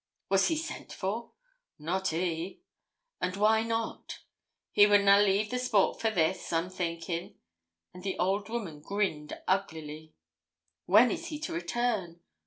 'Was he sent for?' 'Not he.' 'And why not?' 'He would na' leave the sport for this, I'm thinking,' and the old woman grinned uglily. 'When is he to return?'